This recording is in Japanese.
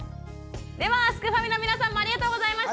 ではすくファミの皆さんもありがとうございました！